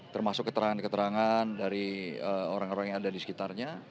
termasuk keterangan keterangan dari orang orang yang ada di sekitarnya